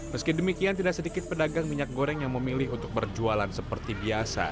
meski demikian tidak sedikit pedagang minyak goreng yang memilih untuk berjualan seperti biasa